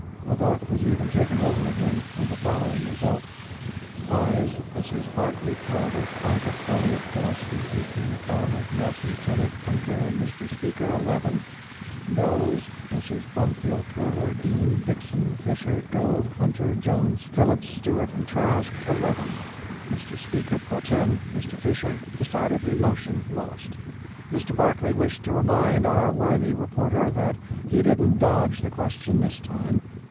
The vote was even taken over again, with the following result: ] AYES—Messrs. Barclay, Calder, Clagett, Elliott, Gillespie, Heaton, McDonald, Nelson, Tennant, Ungar and Mr. Speaker—11. NOES—Messrs. Brumfield, Curler, Dean, Dixson, Fisher, Gove, Hunter, Jones, Phillips, Stewart and Trask—11. Mr. Speaker pro tem.—Mr. Fisher—decided the motion lost. Mr. Barclay wished to remind our worthy reporter that he didn't dodge the question this time.